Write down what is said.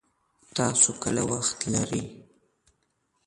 تاسو کله وخت لري